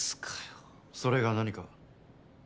それが何か？